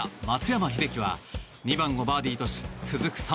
松山英樹は２番をバーディーとし続く